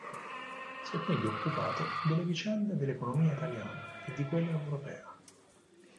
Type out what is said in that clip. Si è quindi occupato delle vicende dell'economia italiana e di quella europea.